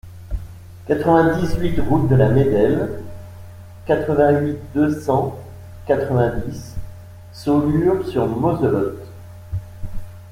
quatre-vingt-dix-huit route de la Médelle, quatre-vingt-huit, deux cent quatre-vingt-dix, Saulxures-sur-Moselotte